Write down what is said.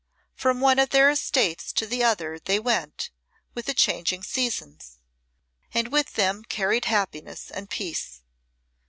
From one of their estates to the other they went with the changing seasons, and with them carried happiness and peace.